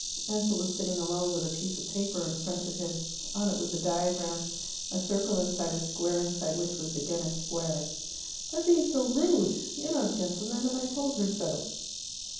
Ansell was sitting alone with a piece of paper in front of him. On it was a diagram a circle inside a square, inside which was again a square. "By being so rude. You're no gentleman, and I told her so."